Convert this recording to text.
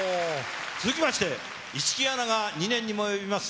続きまして、市來アナが２年にも及びます